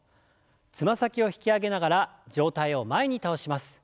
つま先を引き上げながら上体を前に倒します。